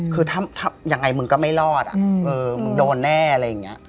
คือทำยังไงมึงก็ไม่รอดมึงโดนแน่อะไรอย่างนี้